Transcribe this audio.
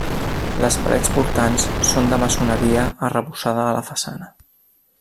Les parets portants són de maçoneria, arrebossada a la façana.